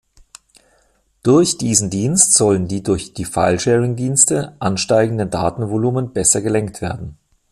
Durch diesen Dienst sollen die durch die Filesharing-Dienste ansteigenden Datenvolumen besser gelenkt werden.